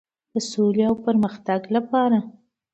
د سولې او پرمختګ لپاره.